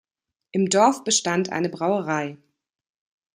Im Dorf bestand eine Brauerei.